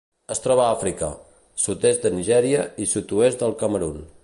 Es troba a Àfrica: sud-est de Nigèria i sud-oest del Camerun.